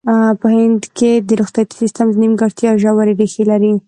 په هند کې د روغتیايي سیستم نیمګړتیا ژورې ریښې لري.